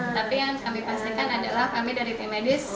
tapi yang kami pastikan adalah kami dari tim medis